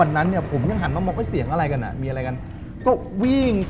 เราก็เป็นนาฬาใจเย็น